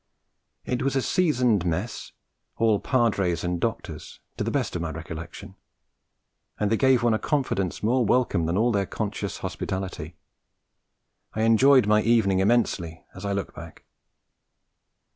It was a seasoned mess, all padres and doctors, to the best of my recollection; and they gave one a confidence more welcome than all their conscious hospitality. I enjoy my evening immensely as I look back.